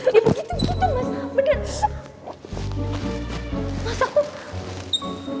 dia begitu begitu mas bener